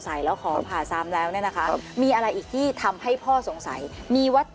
ไม่ก่วงครับ